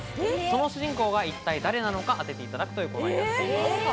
その主人公が一体誰なのか当てていただくというコーナーになっています。